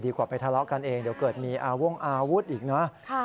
ดีกว่าไปทะเลาะกันเองเดี๋ยวเกิดมีอาวุธอีกนะ